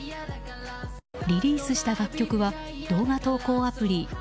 リリースした楽曲は動画投稿アプリ